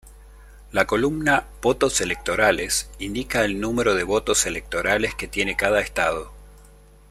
La columna "Votos electorales" indica el número de votos electorales que tiene cada estado.